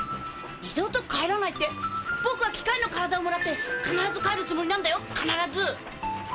二度と帰らないって、僕は機械の体をもらって必ず帰るつもりなんだよ、必ず。